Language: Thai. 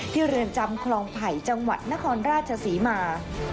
เรือนจำคลองไผ่จังหวัดนครราชศรีมา